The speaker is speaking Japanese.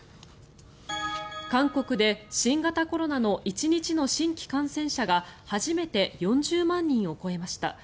韓国で新型コロナの１日の新規感染者が初めて４０万人を超えました。